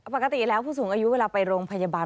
ปกติแล้วผู้สูงอายุเวลาไปโรงพยาบาล